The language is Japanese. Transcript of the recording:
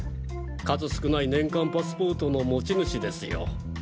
数少ない年間パスポートの持ち主ですよ。